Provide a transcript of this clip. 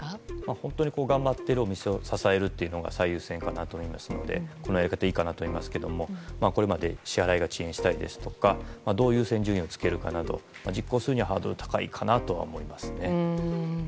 本当に頑張っているお店を支えるというのが最優先かなと思いますのでいいかなと思いますがこれまでに支払いが遅延したりどう優先順位をつけるかなど実行するにはハードルは高いと思いますね。